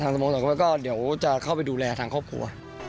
สโมสรก็เดี๋ยวจะเข้าไปดูแลทางครอบครัว